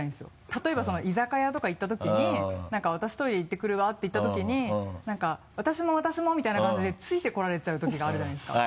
例えば居酒屋とか行ったときに「私トイレ行ってくるわ」って言ったときに何か「私も私も！」みたいな感じで付いてこられちゃうときがあるじゃないですか。